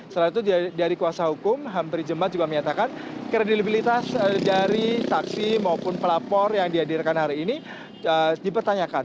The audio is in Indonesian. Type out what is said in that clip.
selain itu dari kuasa hukum hambry jemaat juga menyatakan kredibilitas dari saksi maupun pelapor yang dihadirkan hari ini dipertanyakan